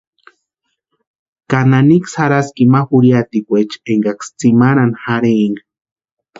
¿Ka naniksï jarhaski ima jurhiakweecha énkaksï tsimarhani jarhaenka?